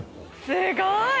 すごーい！